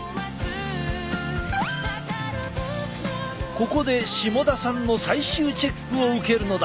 ここで下田さんの最終チェックを受けるのだ。